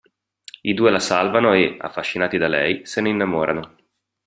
I due la salvano e, affascinati da lei, se ne innamorano.